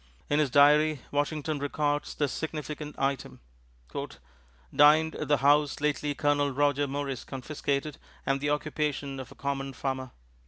In his diary, Washington records this significant item: "Dined at the house lately Colonel Roger Morris confiscated and the occupation of a common Farmer."